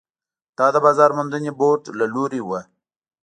دا د بازار موندنې بورډ له لوري وو.